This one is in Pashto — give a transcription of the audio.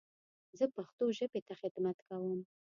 زه پښتو ژبې ته خدمت کوم.